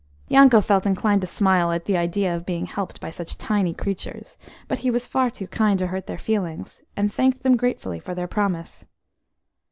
Yanko felt inclined to smile at the idea of being helped by such tiny creatures, but he was far too kind to hurt their feelings, and thanked them gratefully for their promise.